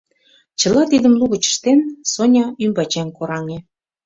Чыла тидым лугыч ыштен, Соня ӱмбачем кораҥе.